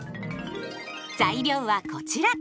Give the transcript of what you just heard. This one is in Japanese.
材料はこちら。